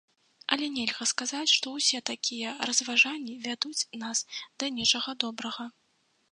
Але нельга сказаць, што ўсе такія разважанні вядуць нас да нечага добрага.